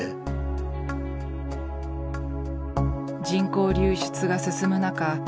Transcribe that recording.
人口流出が進む中